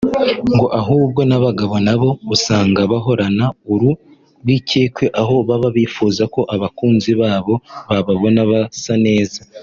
ngo ahubwo n’abagabo nabo usanga bahorana uru rwikekwe aho baba bifuza ko abakunzi babo bababona basa neza